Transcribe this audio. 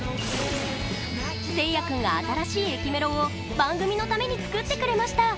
せいや君が新しい駅メロを番組のために作ってくれました。